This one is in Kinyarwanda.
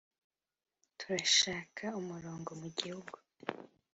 turashaka umurongo mu gihugu